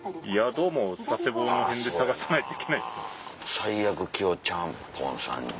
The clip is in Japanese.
最悪キヨちゃんぽんさんに。